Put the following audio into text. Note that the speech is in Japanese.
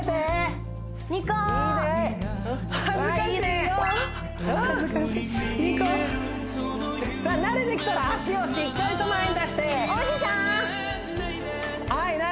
ニコさあ慣れてきたら足をしっかりと前に出して王子さんはい何？